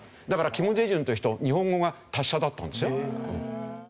だから金大中という人日本語が達者だったんですよ。